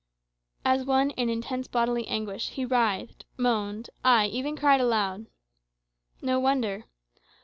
As one in intense bodily anguish, he writhed, moaned ay, even cried aloud. No wonder.